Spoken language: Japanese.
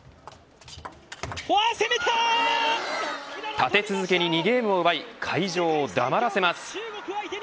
立て続けに２ゲームを奪い会場を黙らせます。